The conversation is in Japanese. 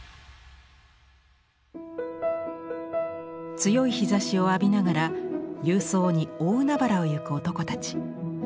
強い日ざしを浴びながら勇壮に大海原をゆく男たち。